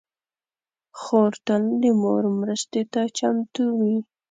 خور تل د مور مرستې ته چمتو وي.